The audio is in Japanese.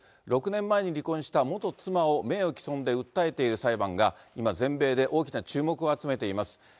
６年前に離婚した元妻を名誉棄損で訴えている裁判が、今、全米で大きな注目を集めています。